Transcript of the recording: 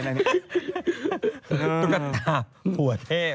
ต้นกระตาหัวเทะ